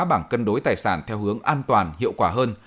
bảng cân đối tài sản theo hướng an toàn hiệu quả hơn